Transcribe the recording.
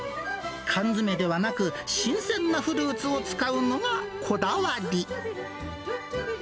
缶詰ではなく、新鮮なフルーツを使うのがこだわり。